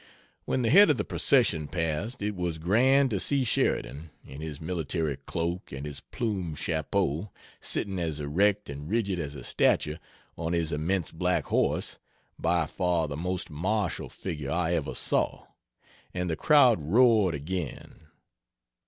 When the head of the procession passed it was grand to see Sheridan, in his military cloak and his plumed chapeau, sitting as erect and rigid as a statue on his immense black horse by far the most martial figure I ever saw. And the crowd roared again.